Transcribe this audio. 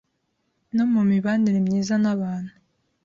no mu mibanire myiza n’abantu